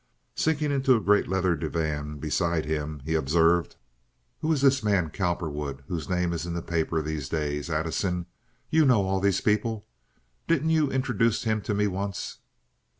Sinking into a great leather divan beside him, he observed: "Who is this man Cowperwood whose name is in the papers these days, Addison? You know: all these people. Didn't you introduce him to me once?"